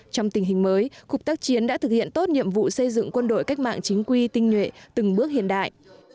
trong tình hình mới cục tác chiến đã thực hiện tốt nhiệm vụ xây dựng quân đội cách mạng chính quy tinh nhuệ từng bước hiện đại